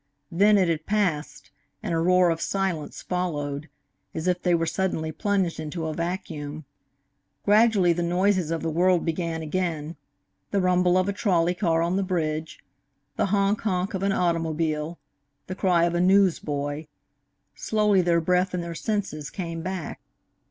Then it had passed, and a roar of silence followed, as if they were suddenly plunged into a vacuum. Gradually the noises of the world began again: the rumble of a trolley car on the bridge; the "honk honk" of an automobile; the cry of a newsboy. Slowly their breath and their senses came back.